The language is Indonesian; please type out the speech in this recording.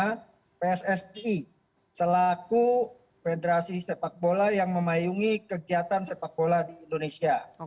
karena pssi selaku federasi sepak bola yang memayungi kegiatan sepak bola di indonesia